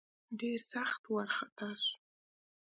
ډېر سخت وارخطا سو.